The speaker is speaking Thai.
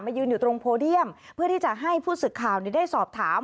ยืนอยู่ตรงโพเดียมเพื่อที่จะให้ผู้สื่อข่าวได้สอบถาม